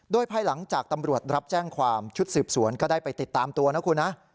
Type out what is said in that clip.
โดยภายหลังจากตำรวจรับแจ้งความชุดสืบสวนก็ได้ไปติดตามตัวนะคุณนะ